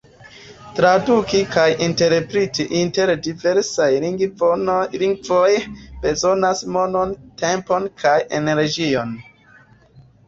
Traduki kaj interpreti inter la diversaj lingvoj bezonas monon, tempon kaj energion.